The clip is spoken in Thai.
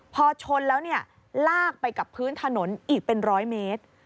พอชนแล้วเนี่ยลากไปกับพื้นถนนอีกเป็น๑๐๐เมตร